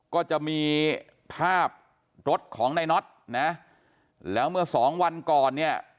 ก็จะมีภาพรถของในน็อตนะแล้วเมื่อสองวันก่อนเนี่ย